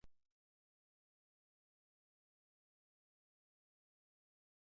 Momentu horretan ilargi-harria aurkitzeko abentura hasten da.